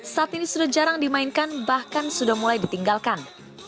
saat ini sudah jarang dimainkan bahkan sudah mulai ditinggalkan